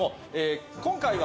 今回は。